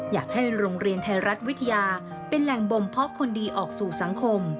อยากให้โรงเรียนไทยรัฐวิทยาเป็นแหล่งบ่มเพาะคนดีออกสู่สังคม